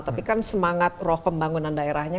tapi kan semangat roh pembangunan daerahnya